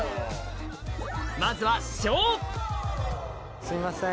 まずはすいません。